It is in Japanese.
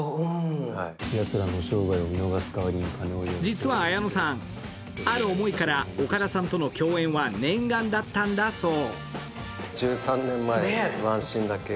実は綾野さん、ある思いから岡田さんとの共演は念願だったんだそう。